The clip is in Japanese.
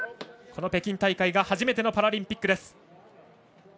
北京大会が初めてのパラリンピックです。